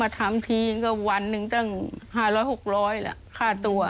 มาทำทีก็วันนึงตั้งห้าร้อยหกร้อยแล้วค่าตัว